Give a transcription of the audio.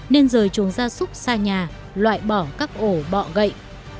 nên rời chuồng gia súc xa nhà loại bỏ các ổ bọ gậy